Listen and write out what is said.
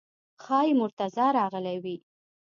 ښایي مرتضی راغلی وي.